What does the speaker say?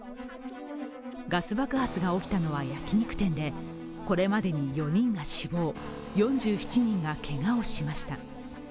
ガス爆発が起きたのは焼き肉店でこれまでに４人が死亡、４７人がけがをしました。